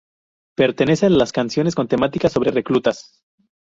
Pertenece a las canciones con temática sobre reclutas.